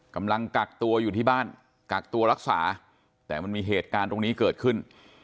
กำลังกักตัวอยู่ที่บ้านกักตัวรักษาแต่มันมีเหตุการณ์ตรงนี้เกิดขึ้น